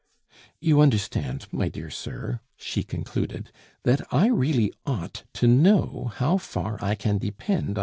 "You understand, my dear sir," she concluded, "that I really ought to know how far I can depend on M.